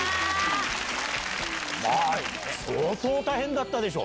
相当大変だったでしょ。